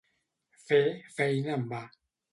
Fer feina en va.